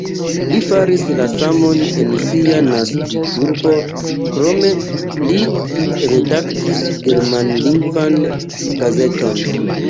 Li faris la samon en sia naskiĝurbo, krome li redaktis germanlingvan gazeton.